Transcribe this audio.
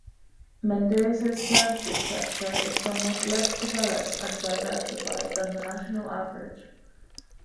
Mendoza's services sector is somewhat less developed and diversified than the national average.